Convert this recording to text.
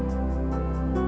kamu denger ya